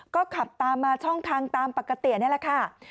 ก็ขับตามมาช่องทางตามปกตินี่แหละค่ะ